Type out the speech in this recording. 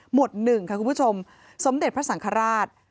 หนึ่งค่ะคุณผู้ชมสมเด็จพระสังฆราช